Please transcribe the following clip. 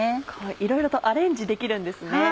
いろいろとアレンジできるんですね。